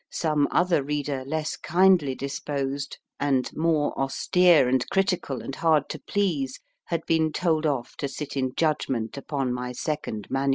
some other reader less kindly disposed, and more AT FORTY 132 MY FIRST BOOK austere and critical, and hard to please, had been told off to sit in judgment upon my second MS.